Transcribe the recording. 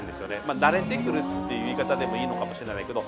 慣れてくるという言い方でもいいのかもしれないけど。